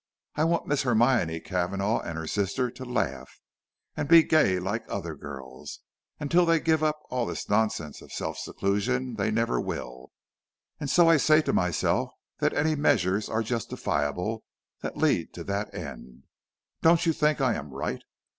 I want Miss Hermione Cavanagh and her sister to laugh and be gay like other girls, and till they give up all this nonsense of self seclusion they never will; and so I say to myself that any measures are justifiable that lead to that end. Don't you think I am right?"